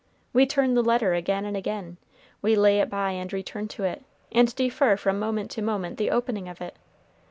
We turn the letter again and again, we lay it by and return to it, and defer from moment to moment the opening of it.